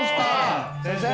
先生。